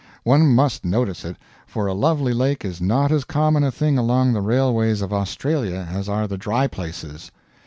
One must notice it; for a lovely lake is not as common a thing along the railways of Australia as are the dry places.